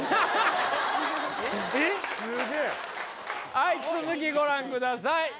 はい続きご覧ください